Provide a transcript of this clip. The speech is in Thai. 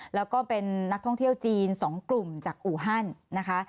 แล้วก็เป็นนักท่องเที่ยวจีน๒กลุ่มจากอูฮันนะคะ